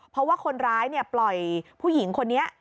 เพราะว่าคนร้ายปล่อยผู้หญิงคนนี้